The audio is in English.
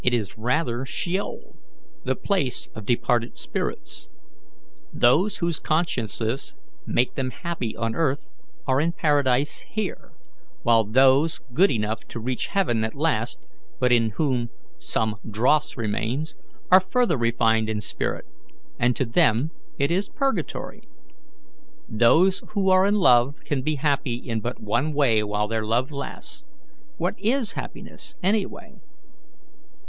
"It is rather sheol, the place of departed spirits. Those whose consciences made them happy on earth are in paradise here; while those good enough to reach heaven at last, but in whom some dross remains, are further refined in spirit, and to them it is purgatory. Those who are in love can be happy in but one way while their love lasts. What IS happiness, anyway?"